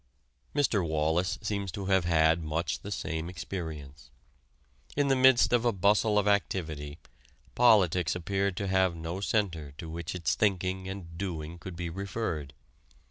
Mr. Wallas seems to have had much the same experience. In the midst of a bustle of activity, politics appeared to have no center to which its thinking and doing could be referred.